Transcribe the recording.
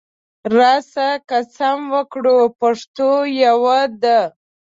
راسه قسم وکړو پښتو یوه ده